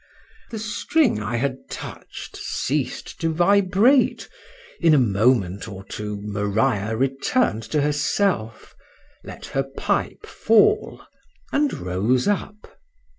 —The string I had touched ceased to vibrate;—in a moment or two Maria returned to herself,—let her pipe fall,—and rose up.